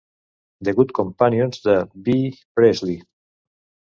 "The Good Companions" de B. Priestley.